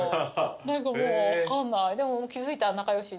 何かもう分かんない。